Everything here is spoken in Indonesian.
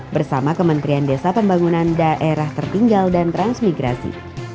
bersama kementerian desa pembangunan daerah tertinggal dan transmigrasi